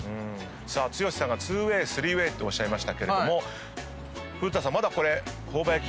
剛さんが２ＷＡＹ３ＷＡＹっておっしゃいましたけれども古田さん。